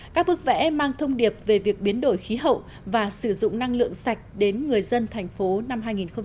các bức vẽ mang thông điệp về việc biến đổi khí hậu và sử dụng năng lượng sạch đến người dân thành phố năm hai nghìn hai mươi